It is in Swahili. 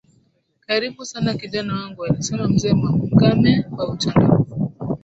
karibu sana kijana wangu alisema mzee Makame kwa uchangamfu